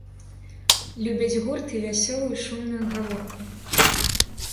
Любяць гурт і вясёлую шумную гаворку.